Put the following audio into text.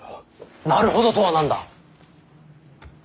なるほどとは何だ。